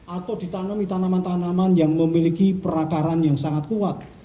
atau ditanami tanaman tanaman yang memiliki perakaran yang sangat kuat